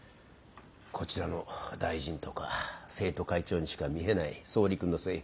こちらの大臣とか生徒会長にしか見えない総理君のせいで。